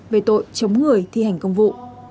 về tội chống người thi hành công vụ